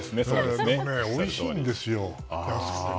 でも、おいしいんですよね。安くて。